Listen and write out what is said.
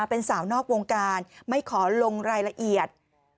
เป็นสาวนอกวงการไม่ขอลงรายละเอียด